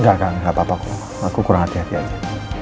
enggak kan gak apa apa aku kurang hati hati aja